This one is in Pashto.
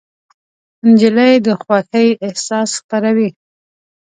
نجلۍ د خوښۍ احساس خپروي.